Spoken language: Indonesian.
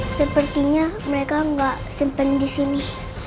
sepertinya mereka nggak simpen di sini